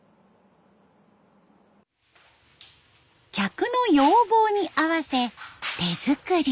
客の要望に合わせ手作り。